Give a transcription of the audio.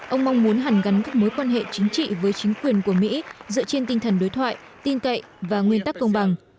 ông mong muốn hàn gắn các mối quan hệ chính trị với chính quyền của mỹ dựa trên tinh thần đối thoại tin cậy và nguyên tắc công bằng